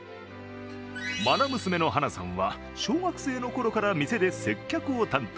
まな娘の晴名さんは小学生のころから店で接客を担当。